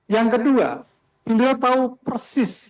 yang kedua beliau tahu persis